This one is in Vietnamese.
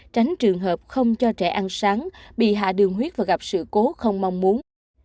tránh trường hợp không cho trẻ ăn sáng bị hạ đường huyết và gặp sự cố không mong muốn